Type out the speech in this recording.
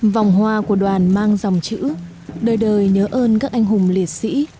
vòng hoa của đoàn mang dòng chữ đời đời nhớ ơn các anh hùng liệt sĩ